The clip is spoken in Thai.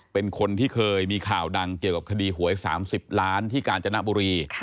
เป็นคนที่เคยมีข่าวดังเกี่ยวกับคดีหวย๓๐ล้านที่กาญจนบุรี